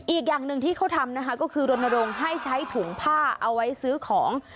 อีกอย่างหนึ่งที่เขาทำนะคะก็คือรณรงค์ให้ใช้ถุงผ้าเอาไว้ซื้อของ